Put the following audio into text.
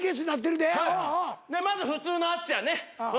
まず普通のあっちゃんね。